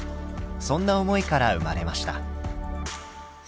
そんな思いから生まれました。